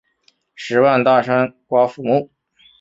十万大山瓜馥木